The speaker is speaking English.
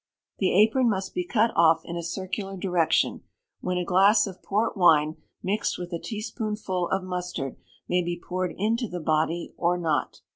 The apron must be cut off in a circular direction, when a glass of port wine, mixed with a teaspoonful of mustard, may be poured into the body or not.